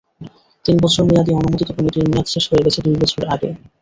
তিন বছর মেয়াদি অনুমোদিত কমিটির মেয়াদ শেষ হয়ে গেছে দুই বছর আগে।